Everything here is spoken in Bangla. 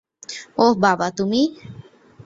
ওহ, বাবা, তুমি।